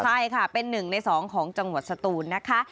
ใช่ค่ะเป็น๑ใน๒ของจังหวัดสตูนนะคะ